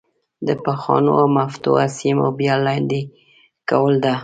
د پخوانو مفتوحه سیمو بیا لاندې کول ده.